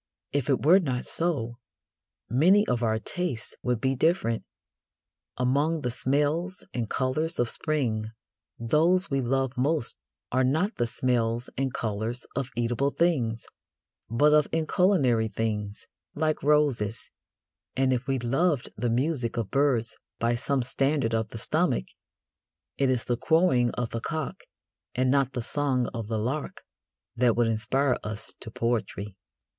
If it were not so, many of our tastes would be different. Among the smells and colours of spring those we love most are not the smells and colours of eatable things, but of inculinary things, like roses, and if we loved the music of birds by some standard of the stomach, it is the crowing of the cock and not the song of the lark that would inspire us to poetry.